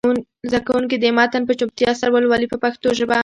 زده کوونکي دې متن په چوپتیا سره ولولي په پښتو ژبه.